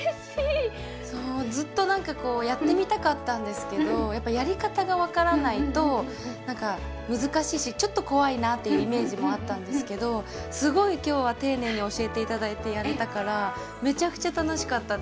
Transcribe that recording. ずっとなんかこうやってみたかったんですけどやっぱやり方が分からないとなんか難しいしちょっと怖いなっていうイメージもあったんですけどすごい今日は丁寧に教えて頂いてやれたからめちゃくちゃ楽しかったです。